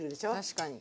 確かに。